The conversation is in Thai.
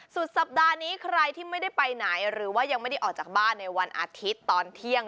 สุดสัปดาห์นี้ใครที่ไม่ได้ไปไหนหรือว่ายังไม่ได้ออกจากบ้านในวันอาทิตย์ตอนเที่ยง